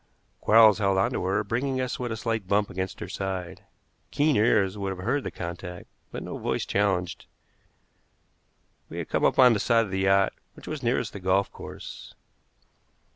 Quarles held on to her, bringing us with a slight bump against her side. Keen ears would have heard the contact, but no voice challenged. We had come up on the side of the yacht which was nearest the golf course.